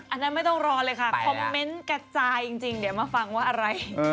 อันนั้นไม่ต้องรอเลยค่ะคอมเมนต์กระจายจริงเดี๋ยวมาฟังว่าอะไร